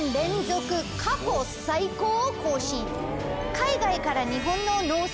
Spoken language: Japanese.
海外から。